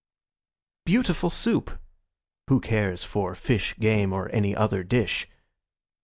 Beautiful Soup! Who cares for fish, Game, or any other dish?